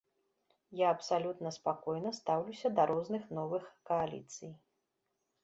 Я абсалютна спакойна стаўлюся да розных новых кааліцый.